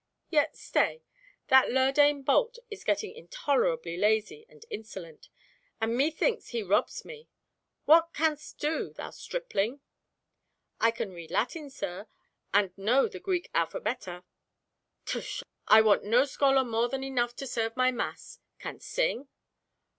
Yet stay—that lurdane Bolt is getting intolerably lazy and insolent, and methinks he robs me! What canst do, thou stripling?" "I can read Latin, sir, and know the Greek alphabeta." "Tush! I want no scholar more than enough to serve my mass. Canst sing?"